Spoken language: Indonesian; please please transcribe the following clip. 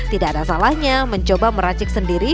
tidak ada salahnya mencoba meracik sendiri